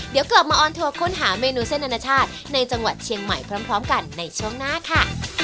เดี๋ยวกลับมาออนทัวร์ค้นหาเมนูเส้นอนาชาติในจังหวัดเชียงใหม่พร้อมกันในช่วงหน้าค่ะ